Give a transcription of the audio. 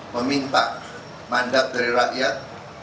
meminta mandat dari rakyat